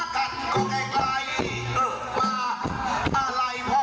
ใครได้รักสิครับประสานของเรามันเป็นอย่างไงมั้ง